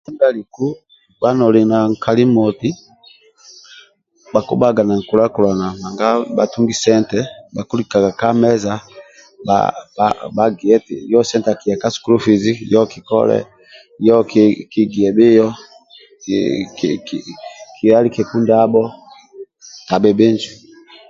Mugaso ndialiku kobha noli na nkali moti bakubhaga na nkula kulana nanga bhatungi sente bakulikaga ka meza bagiyeri yo sente akiya ka sukulu fizi yo yo kigiye bhiyo kihalikeku ndabho tabhi bhinjo